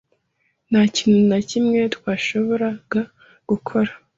Nta kintu na kimwe twashoboraga gukora.